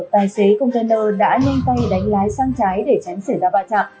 tài xế container đã nhanh tay đánh lái sang trái để tránh xảy ra bạch ạ